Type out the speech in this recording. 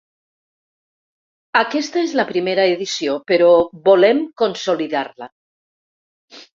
Aquesta és la primera edició, però volem consolidar-la.